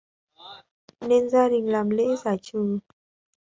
nên gia đình làm lễ giải trừ